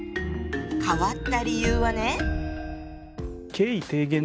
変わった理由はね。